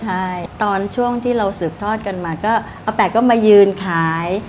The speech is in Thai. ใช่ตอนช่วงที่เราสืบทอดกันมาก็อาแปะก็มายืนขาย